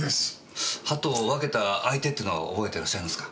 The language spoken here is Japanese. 鳩を分けた相手ってのは覚えてらっしゃいますか？